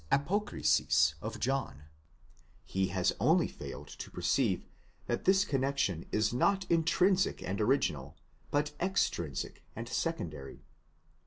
ἀπόκρισις Of John; he has only failed to perceive that this connexion is not intrinsic and original, but extrinsic and secondary.